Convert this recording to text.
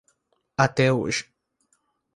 Até hoje.